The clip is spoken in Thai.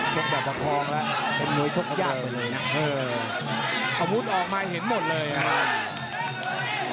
แบบประคองแล้วเป็นมวยชกยากไปเลยนะเอออาวุธออกมาเห็นหมดเลยอ่ะ